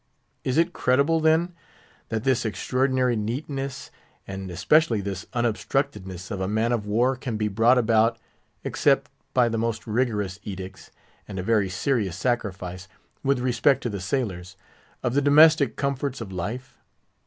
Is it credible, then, that this extraordinary neatness, and especially this unobstructedness of a man of war, can be brought about, except by the most rigorous edicts, and a very serious sacrifice, with respect to the sailors, of the domestic comforts of life?